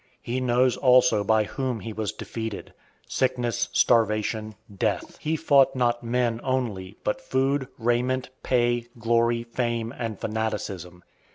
He knows also by whom he was defeated sickness, starvation, death. He fought not men only, but food, raiment, pay, glory, fame, and fanaticism.